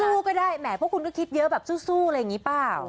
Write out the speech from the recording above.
ก็ได้แหมเพราะคุณก็คิดเยอะแบบสู้อะไรอย่างนี้เปล่า